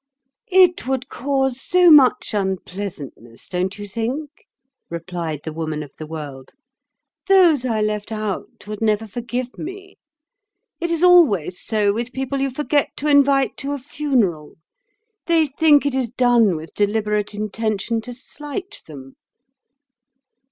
"It would cause so much unpleasantness, don't you think?" replied the Woman of the World. "Those I left out would never forgive me. It is always so with people you forget to invite to a funeral—they think it is done with deliberate intention to slight them."